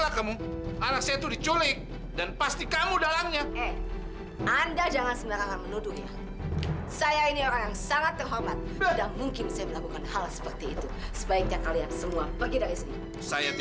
sampai jumpa di video selanjutnya